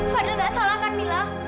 fadil nggak salah kan bilang